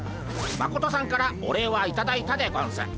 マコトさんからお礼はいただいたでゴンス。